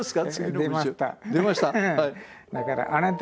出ました？